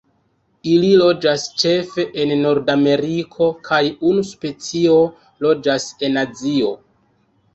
Ili loĝas ĉefe en Nordameriko kaj unu specio loĝas en Azio.